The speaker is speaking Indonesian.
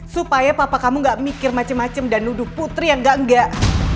supaya papa kamu gak mikir macem macem dan nuduh putri yang gak nggak